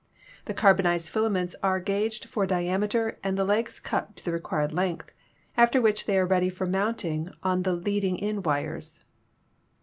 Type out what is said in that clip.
The carbonized filaments are gauged for diameter and the legs cut to the required length, after which they are ready for mounting on to the leading in wires.